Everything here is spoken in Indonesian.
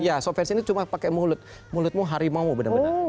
ya soft version itu cuma pakai mulut mulutmu harimau benar benar